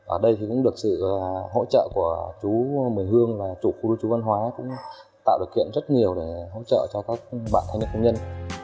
ở đây thì cũng được sự hỗ trợ của chú mười hương và chủ khu lưu trú văn hóa cũng tạo được kiện rất nhiều để hỗ trợ cho các bạn thanh niên công nhân